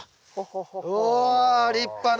うお立派な。